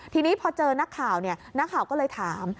ทีนี้พอเจอนักข่าวนักข่าวก็เลยถาม